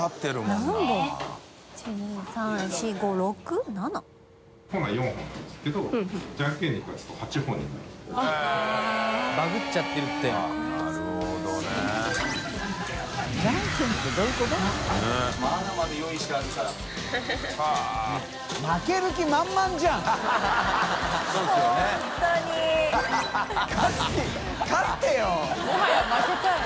もはや負けたい。